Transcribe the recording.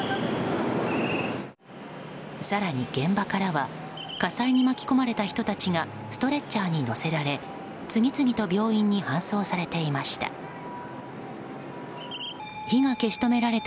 更に、現場からは火災に巻き込まれた人たちがストレッチャーに乗せられ次々と病院に搬送されていました。